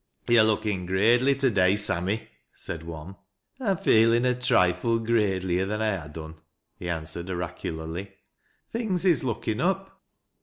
" To're lookin' graidely to day, Sammy," said one. "I'm feelin' a trifle graidelier than I ha' done," he answered, oracularly. " Things is lookin' up."